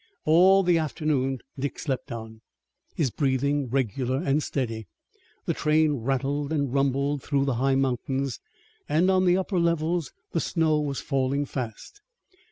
All the afternoon Dick slept on, his breathing regular and steady. The train rattled and rumbled through the high mountains, and on the upper levels the snow was falling fast.